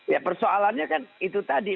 ya persoalannya kan itu tadi